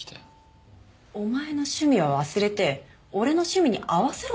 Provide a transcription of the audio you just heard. お前の趣味は忘れて俺の趣味に合わせろってこと？